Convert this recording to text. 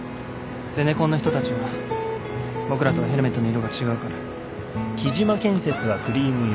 ゼネコンの人たちは僕らとはヘルメットの色が違うから。